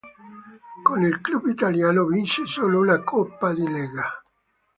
Con il club italiano vince solo una Coppa di Lega.